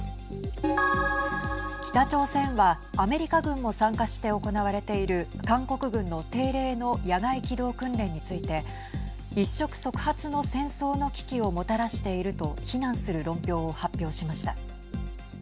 北朝鮮は、アメリカ軍も参加して行われている韓国軍の定例の野外機動訓練について一触即発の戦争の危機をもたらしていると非難する論評を発表しました。